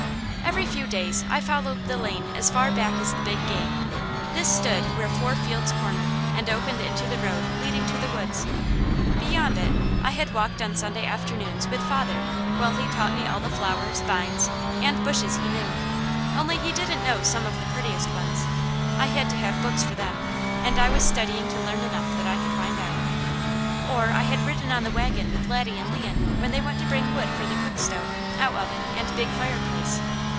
Every few days I followed the lane as far back as the Big Gate. This stood where four fields cornered, and opened into the road leading to the woods. Beyond it, I had walked on Sunday afternoons with father while he taught me all the flowers, vines, and bushes he knew, only he didn't know some of the prettiest ones; I had to have books for them, and I was studying to learn enough that I could find out. Or I had ridden on the wagon with Laddie and Leon when they went to bring wood for the cookstove, outoven, and big fireplace.